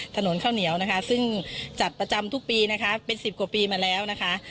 ถนนข้าวเหนียวจัดประจำทุกปีเป็นกว่าปีมาแล้ว